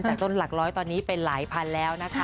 แต่ต้นหลักร้อยตอนนี้เป็นหลายพันแล้วนะคะ